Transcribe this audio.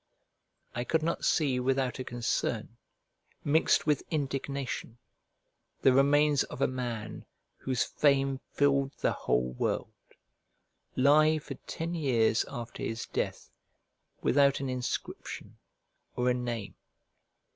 I could not see without a concern, mixed with indignation, the remains of a man, whose fame filled the whole world, lie for ten years after his death without an inscription, or a name.